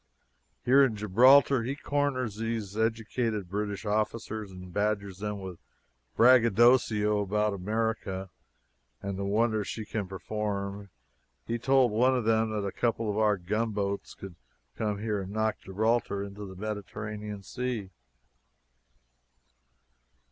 Here in Gibraltar he corners these educated British officers and badgers them with braggadocio about America and the wonders she can perform! He told one of them a couple of our gunboats could come here and knock Gibraltar into the Mediterranean Sea!